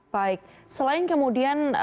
baik selain kemudian